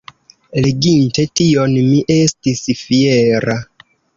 Leginte tion mi estis fiera.